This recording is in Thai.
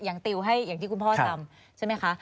อย่างติวที่คุณพ่อทำใช่ไหมคะ